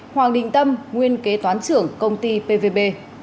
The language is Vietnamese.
hoàng đình tâm nguyên kế toán trưởng công ty pvb